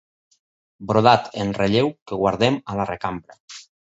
Brodat en relleu que guardem a la recambra.